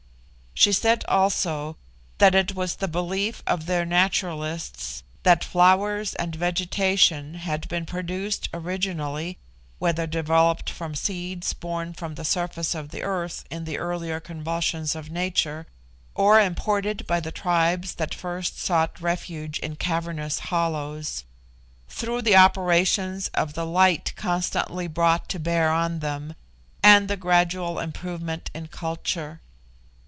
She said also, that it was the belief of their naturalists that flowers and vegetation had been produced originally (whether developed from seeds borne from the surface of the earth in the earlier convulsions of nature, or imported by the tribes that first sought refuge in cavernous hollows) through the operations of the light constantly brought to bear on them, and the gradual improvement in culture.